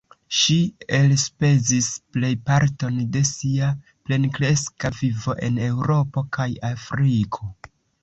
Ŝi elspezis plejparton de sia plenkreska vivo en Eŭropo kaj Afriko.